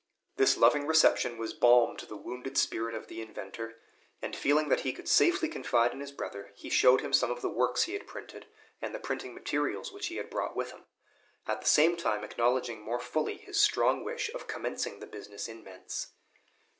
This loving reception was balm to the wounded spirit of the inventor; and feeling that he could safely confide in his brother, he showed him some of the works he had printed, and the printing materials which he had brought with him, at the same time acknowledging more fully his strong wish of commencing the business in Mentz.